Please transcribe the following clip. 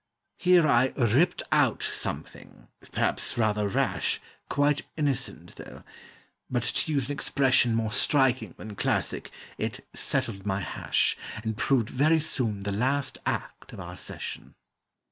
Here I ripped out something, perhaps rather rash, Quite innocent, though; but, to use an expression More striking than classic, it "settled my hash," And proved very soon the last act of our session.